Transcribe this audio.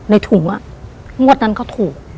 ในถุงอ่ะมวดนั้นก็ถูก